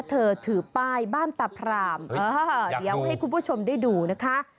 ถือป้ายบ้านตะพรามเดี๋ยวให้คุณผู้ชมได้ดูนะคะ